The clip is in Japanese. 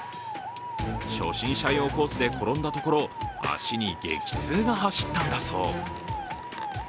初心者用コースで転んだところ足に激痛が走ったんだそう。